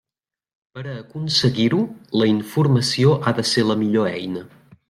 Per a aconseguir-ho, la informació ha de ser la millor eina.